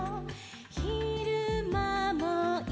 「ひるまもいるよ」